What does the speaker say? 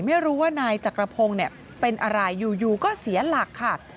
ไม่รู้ว่านายจักรพงศ์เป็นอะไรอยู่ก็เสียหลักค่ะ